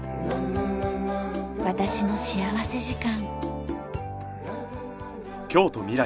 『私の幸福時間』。